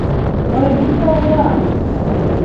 Мый Рита улам!